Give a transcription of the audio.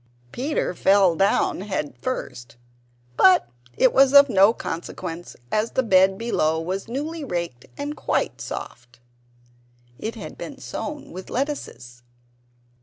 Peter fell down head first; but it was of no consequence, as the bed below was newly raked and quite soft. It had been sown with lettuces.